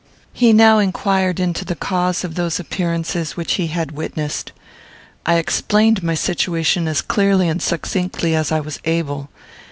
He now inquired into the cause of those appearances which he had witnessed. I explained my situation as clearly and succinctly as I was able.